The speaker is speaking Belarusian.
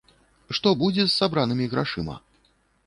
Што будзе з сабранымі грашыма?